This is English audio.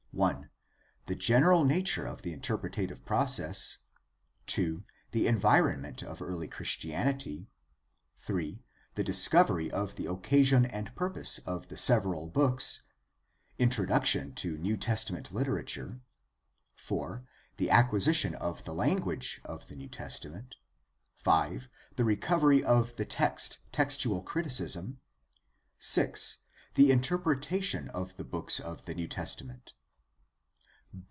1. The general nature of the interpretative process. 2. The environment of early Christianity. 3. The discovery of the occasion and purpose of the several books — Introduction to New Testament literature. 4. The acquisition of the language of the New Testament. 5. The recovery of the text: Textual criticism. 6. The interpretation of the books of the New Testament.